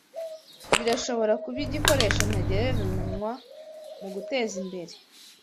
birashobora kuba igikoresho ntagereranywa mugutezimbere